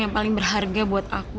yang paling berharga buat aku